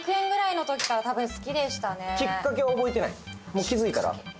もう気づいたら？